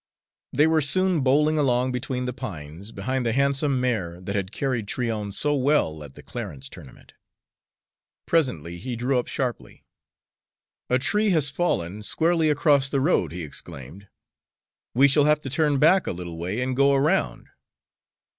They were soon bowling along between the pines, behind the handsome mare that had carried Tryon so well at the Clarence tournament. Presently he drew up sharply. "A tree has fallen squarely across the road," he exclaimed. "We shall have to turn back a little way and go around."